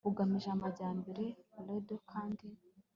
ugamije amajyambere rdo kandi